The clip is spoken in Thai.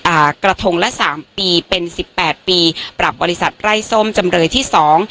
อ่าระถงละสิบแปดปีปรับบริษัทไร่ส้มจำเลยที่สอง